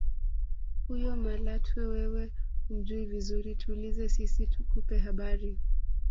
Huyo Malatwe wewe humjui vizuri tuulize sisi tukupe habari